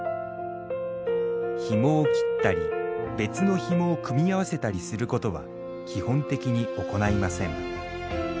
ひもを切ったり別のひもを組み合わせたりすることは基本的に行いません。